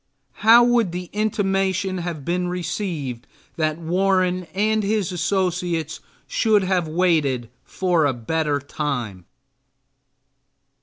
How would the intimation have been received that Warren and his associates should have waited a better time?